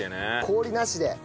氷なしで。